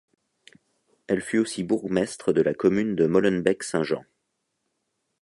Elle fut aussi bourgmestre de la commune de Molenbeek-Saint-Jean.